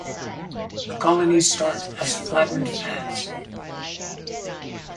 The colonies start as flattened fans.